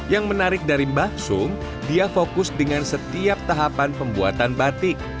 yang menarik dari mbah sum dia fokus dengan setiap tahapan pembuatan batik